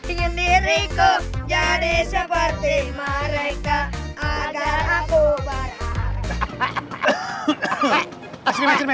ingin diriku jadi seperti mereka agar aku baik